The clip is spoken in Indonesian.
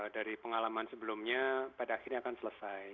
dari pengalaman sebelumnya pada akhirnya akan selesai